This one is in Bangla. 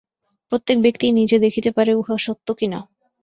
প্রত্যেক ব্যক্তিই নিজে দেখিতে পারে, উহা সত্য কিনা।